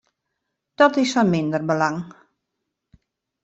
Dat is fan minder belang.